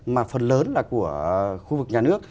mà phần lớn là của khu vực nhà nước